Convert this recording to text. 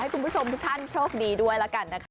ขอให้คุณผู้ชมทุกท่านโชคดีด้วยละกันนะคะ